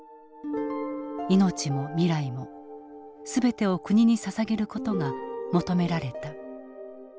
命も未来も全てを国にささげることが求められた。